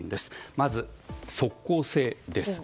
まず、即効性です。